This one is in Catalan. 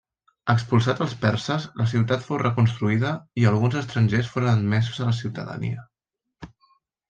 Expulsats els perses, la ciutat fou reconstruïda i alguns estrangers foren admesos a la ciutadania.